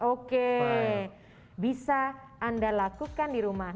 oke bisa anda lakukan di rumah